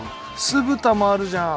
酢豚もあるじゃん！